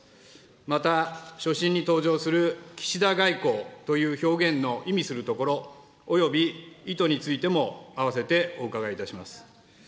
また、所信に登場する岸田外交という表現の意味するところおよび意図についてもあわせてお伺いいたします。